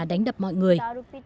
đánh đập mọi người